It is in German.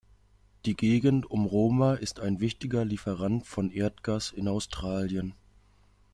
Die Gegend um Roma ist ein wichtiger Lieferant von Erdgas in Australien.